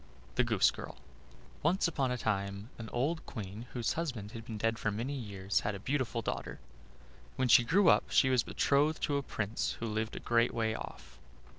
THE GOOSE GIRL Once upon a time an old queen, whose husband had been dead for many years, had a beautiful daughter. When she grew up she was betrothed to a prince who lived a great way off.